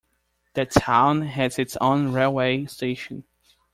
The town has its own railway station.